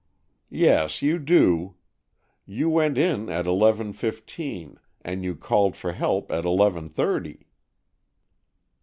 "Yes, you do. You went in at eleven fifteen, and you called for help at eleven thirty."